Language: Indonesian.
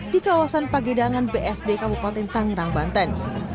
di kawasan pagedangan bsd kabupaten tangerang banten